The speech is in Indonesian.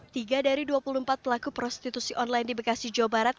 tiga dari dua puluh empat pelaku prostitusi online di bekasi jawa barat